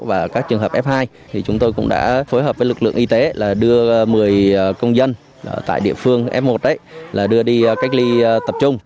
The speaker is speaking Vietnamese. và các trường hợp f hai thì chúng tôi cũng đã phối hợp với lực lượng y tế là đưa một mươi công dân tại địa phương f một đưa đi cách ly tập trung